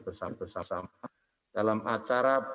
bersama bersama dalam acara